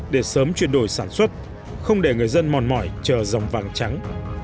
để sớm chuyển đổi sản xuất không để người dân mòn mỏi chờ dòng vàng trắng